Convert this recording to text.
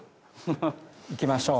いきましょう。